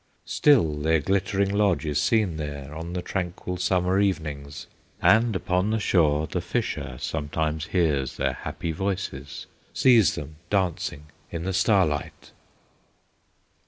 "Still their glittering lodge is seen there, On the tranquil Summer evenings, And upon the shore the fisher Sometimes hears their happy voices, Sees them dancing in the starlight